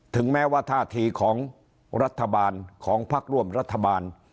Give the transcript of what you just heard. ถึงแม้ว่าท่าทีของรัฐบาลของพักร่วมรัฐบาล